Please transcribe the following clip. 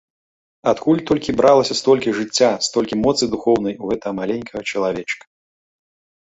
Адкуль толькі бралася столькі жыцця, столькі моцы духоўнай у гэтага маленькага чалавечка!